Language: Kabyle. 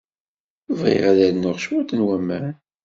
Bɣiɣ ad rnuɣ cwiṭ n waman.